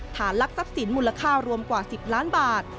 ลักทรัพย์สินมูลค่ารวมกว่า๑๐ล้านบาท